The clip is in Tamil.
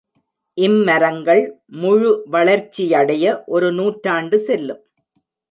இம் மரங்கள் முழு வளர்ச்சியடைய ஒரு நூற்றாண்டு செல்லும்.